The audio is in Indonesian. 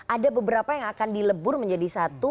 ada beberapa yang akan dilebur menjadi satu